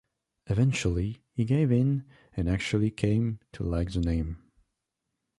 Eventually he gave in and actually came to like the name.